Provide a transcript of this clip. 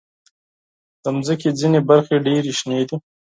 د مځکې ځینې برخې ډېر شنې دي.